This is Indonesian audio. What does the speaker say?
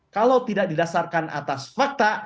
kalau tidak didasarkan atas fakta